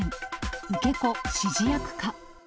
受け子、指示役か。